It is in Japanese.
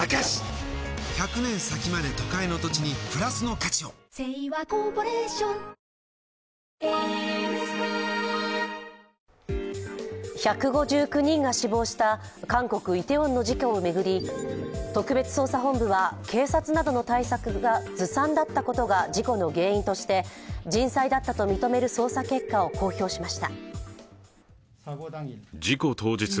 闇と闘うには光が必要だ照らせ希望の光１５９人が死亡した韓国イテウォンの事故を巡り特別捜査本部は警察などの対策がずさんだったことが事故の原因として人災だったと認める捜査結果を公表しました。